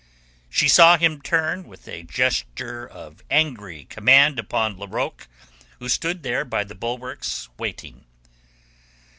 She saw him turn with a gesture of angry command upon Larocque, who stood there by the bulwarks, waiting.